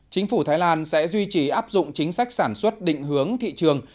chính phủ thái lan sẽ duy trì áp dụng chính sách sản xuất định hướng thị trường